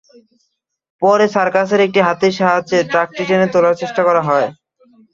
পরে সার্কাসের একটি হাতির সাহায্যে ট্রাকটি টেনে তোলার চেষ্টা করা হয়।